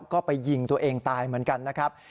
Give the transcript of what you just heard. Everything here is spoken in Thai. ก็ไปยิงตัวเองตายเหมือนกันนะครับ